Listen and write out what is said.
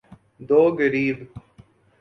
دوگریب